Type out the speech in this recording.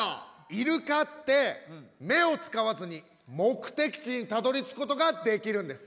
イルカって目を使わずに目的地にたどりつくことができるんですよ。